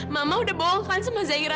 mama udah bohong sama zaira